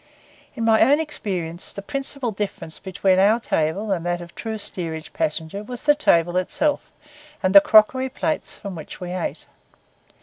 In my own experience, the principal difference between our table and that of the true steerage passenger was the table itself, and the crockery plates from which we ate.